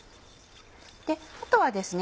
あとはですね